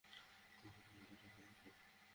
বুঝার চেষ্টা করুন, ওকে?